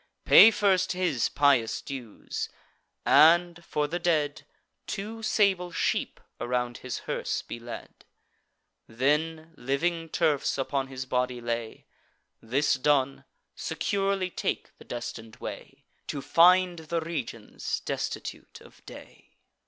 Pay first his pious dues; and, for the dead, Two sable sheep around his hearse be led; Then, living turfs upon his body lay: This done, securely take the destin'd way, To find the regions destitute of day."